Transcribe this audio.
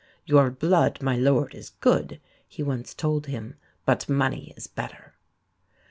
"Your blood, my lord, is good," he once told him; "but money is better."